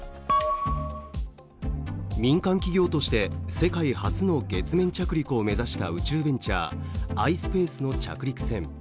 民間企業として世界初の月面着陸を目指した宇宙ベンチャー、ｉｓｐａｃｅの着陸船。